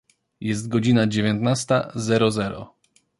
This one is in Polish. Jest godzina dziewiętnasta zero zero.